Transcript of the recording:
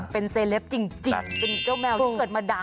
เป็นเซเลปจริงเป็นเจ้าแมวที่เกิดมาด่า